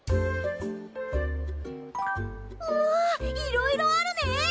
うわいろいろあるね！